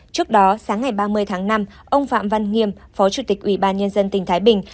trước đó sáng ngày ba mươi tháng năm ông phạm văn nghiêm phó chủ tịch ủy ban nhân dân tỉnh thái bình